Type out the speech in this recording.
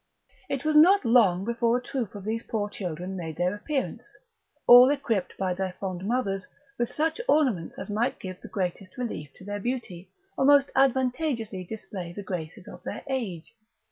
It was not long before a troop of these poor children made their appearance, all equipped by their fond mothers with such ornaments as might give the greatest relief to their beauty or most advantageously display the graces of their age.